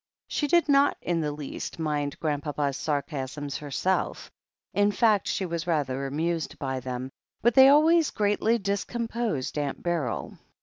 9he did not in the least mind Grandpapa's sarcasms herself — in fact, she was rather amused by them — ^but they always greatly discomposed Aunt Beryl.